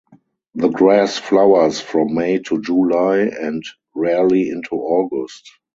The grass flowers from May to July and rarely into August.